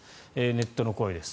ネットの声です。